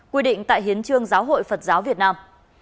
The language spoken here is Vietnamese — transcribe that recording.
quy định tại hiến trương giáo hội phật giáo việt nam